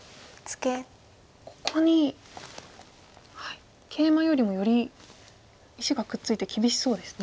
ここにケイマよりもより石がくっついて厳しそうですね。